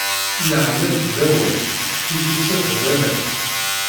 Nneɛlat d awal, tisusaf d aman.